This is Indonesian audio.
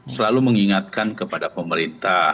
selalu mengingatkan kepada pemerintah